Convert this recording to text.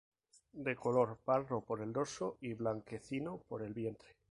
De color pardo por el dorso y blanquecino por el vientre.